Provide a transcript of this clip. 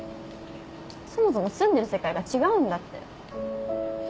そもそも住んでる世界が違うんだって。